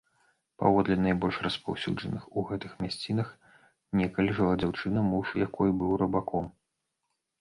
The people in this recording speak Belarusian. Паводле найбольш распаўсюджаных, у гэтых мясцінах некалі жыла дзяўчына, муж якой быў рыбаком.